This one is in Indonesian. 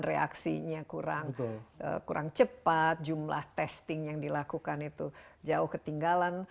reaksinya kurang cepat jumlah testing yang dilakukan itu jauh ketinggalan